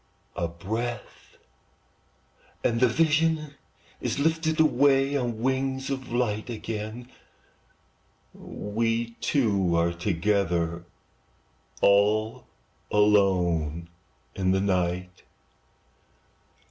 A breath, and the vision is lifted Away on wings of light, And again we two are together, All alone in the night.